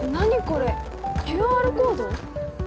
これＱＲコード？